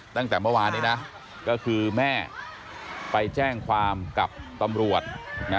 ตั้งแต่เมื่อวานนี้นะก็คือแม่ไปแจ้งความกับตำรวจนะ